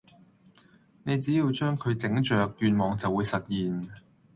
你只要將佢整着願望就會實現